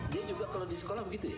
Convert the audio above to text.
dia juga kalau di sekolah begitu ya